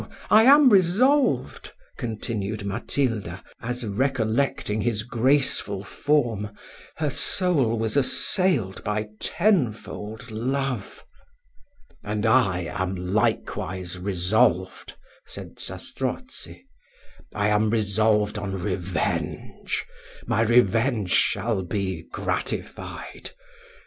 I am resolved," continued Matilda, as, recollecting his graceful form, her soul was assailed by tenfold love "And I am likewise resolved," said Zastrozzi; "I am resolved on revenge my revenge shall be gratified.